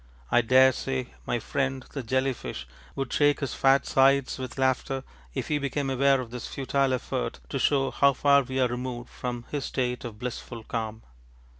I daresay my friend the jelly fish would shake his fat sides with laughter if he became aware of this futile effort to show how far we are removed from his state of blissful calm.